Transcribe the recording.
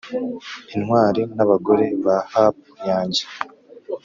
intwali n'abagore ba hapu yanjye